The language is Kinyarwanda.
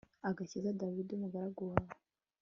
ugakiza dawudi, umugaragu wawe